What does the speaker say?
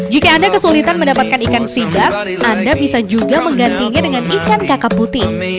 jika anda kesulitan mendapatkan ikan pidas anda bisa juga menggantinya dengan ikan kakap putih